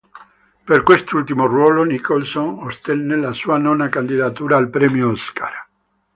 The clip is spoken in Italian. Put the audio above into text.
Per quest'ultimo ruolo, Nicholson ottenne la sua nona candidatura al premio Oscar.